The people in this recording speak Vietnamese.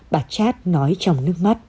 bà chát nói trong nước mắt